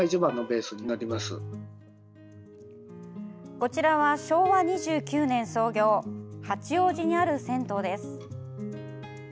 こちらは、昭和２９年創業八王子にある銭湯です。